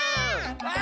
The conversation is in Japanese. あ！